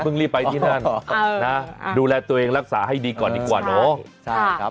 รีบไปที่นั่นนะดูแลตัวเองรักษาให้ดีก่อนดีกว่าเนาะ